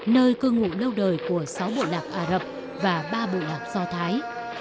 nơi cư ngụ lâu đời của sáu bộ lạc ả rập và ba bộ lạc do thái